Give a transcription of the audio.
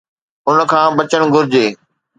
ان کان بچڻ گهرجي.